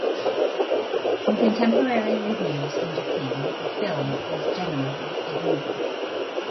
In contemporary reviews in Japan, the film was generally ignored.